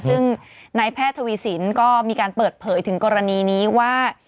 ซึ่งนายแพทย์ทวีสินก็มีการเปิดเผยถึงกรณีนี้ว่า